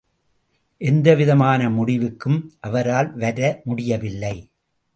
எந்தவிதமான முடிவுக்கும் அவரால் வர முடியவில்லை.